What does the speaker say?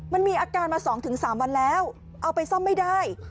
มันมีอาการมา๒๓วันแล้วเอาไปซ่อมไม่ได้